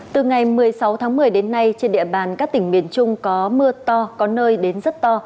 từ ngày một mươi sáu tháng một mươi đến nay trên địa bàn các tỉnh miền trung có mưa to có nơi đến rất to